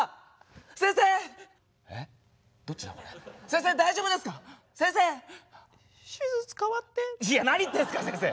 先生大丈夫ですか⁉先生！手術代わって。いや何言ってんすか先生。